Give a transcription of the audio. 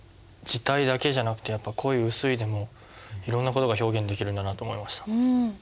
字体だけじゃなくてやっぱ濃い薄いでもいろんな事が表現できるんだなと思いました。